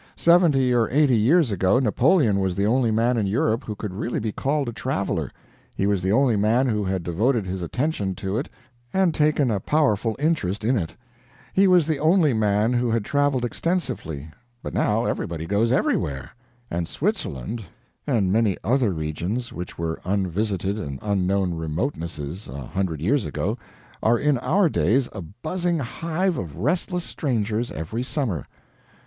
Seventy or eighty years ago Napoleon was the only man in Europe who could really be called a traveler; he was the only man who had devoted his attention to it and taken a powerful interest in it; he was the only man who had traveled extensively; but now everybody goes everywhere; and Switzerland, and many other regions which were unvisited and unknown remotenesses a hundred years ago, are in our days a buzzing hive of restless strangers every summer.